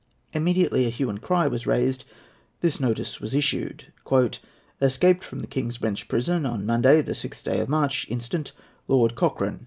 Immediately a hue and cry was raised. This notice was issued: "Escaped from the King's Bench Prison, on Monday the 6th day of March, instant, Lord Cochrane.